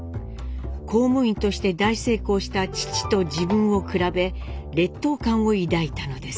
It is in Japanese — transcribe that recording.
公務員として大成功した父と自分を比べ劣等感を抱いたのです。